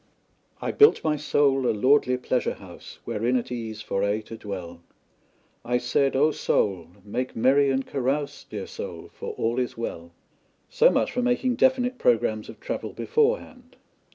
"I built my soul a lordly pleasure house Wherein at ease for aye to dwell, I said: Oh, soul, make merry and carouse, Dear soul, for all is well." So much for making definite programmes of travel beforehand.